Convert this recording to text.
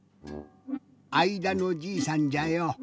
あいだのじいさんじゃよ。